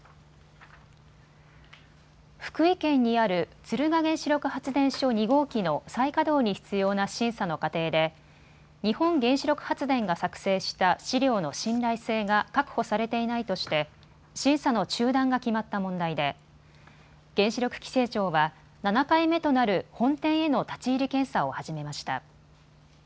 福井県にある敦賀原子力発電所２号機の再稼働に必要な審査の過程で日本原子力発電が作成した資料の信頼性が確保されていないとして審査の中断が決まった問題で原子力規制庁は７回目となる本店への立ち入り検査を始めました。